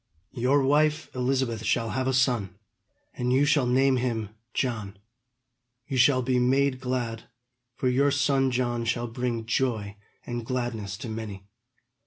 Your wife Elizabeth shall have a son, and you shall name him John. You shall be made glad, for your son John shall bring joy and gladness to many.